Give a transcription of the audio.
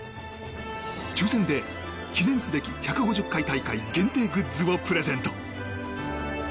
抽選で記念すべき１５０回大会限定グッズをプレゼント。